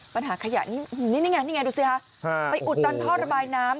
ปัญหาขยะนี่นี่ไงนี่ไงดูสิคะไปอุดตันท่อระบายน้ำ